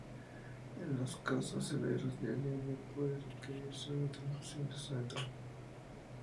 En los casos severos de anemia puede requerirse transfusión de sangre.